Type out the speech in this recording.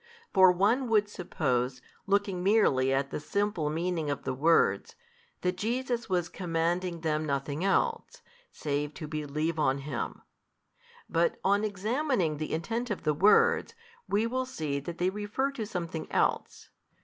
For one would suppose, looking merely at the simple meaning of the words, that Jesus was commanding them nothing else, save to believe on Him: but on examining the intent of the words, he will see that they refer to something else.